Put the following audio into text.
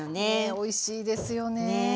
おいしいですよね。